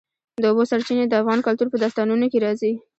د اوبو سرچینې د افغان کلتور په داستانونو کې راځي.